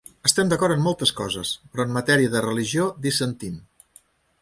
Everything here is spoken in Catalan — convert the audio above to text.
Estem d'acord en moltes coses, però en matèria de religió dissentim.